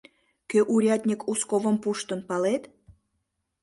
Кӧ урядник Узковым пуштын, палет?